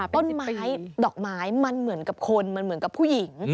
ต้นไม้ดอกไม้มันเหมือนกับคนมันเหมือนกับผู้หญิง